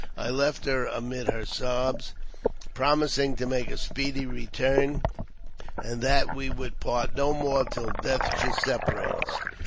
I left her amid her sobs, promising to make a speedy return, and that we would part no more till death should separate us.